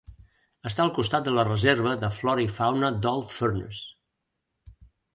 Està al costat de la reserva de flora i fauna d'Old Furnace.